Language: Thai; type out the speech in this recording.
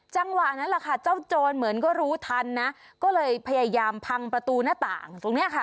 จังหวะนั้นแหละค่ะเจ้าโจรเหมือนก็รู้ทันนะก็เลยพยายามพังประตูหน้าต่างตรงเนี้ยค่ะ